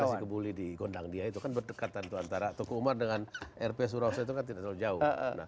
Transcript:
iya makan nasi kebuli di gondang dia itu kan berdekatan itu antara toko umar dengan rp surawesi itu kan tidak jauh